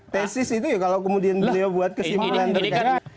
tesis itu ya kalau kemudian beliau buat kesimpulan terkait